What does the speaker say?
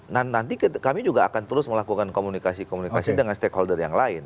nah nanti kami juga akan terus melakukan komunikasi komunikasi dengan stakeholder yang lain